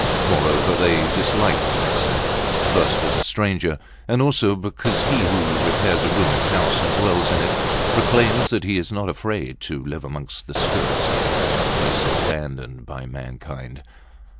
Moreover, they disliked Arsat, first as a stranger, and also because he who repairs a ruined house, and dwells in it, proclaims that he is not afraid to live amongst the spirits that haunt the places abandoned by mankind.